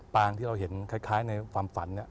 ต่างที่เราเห็นคล้ายในความฝัน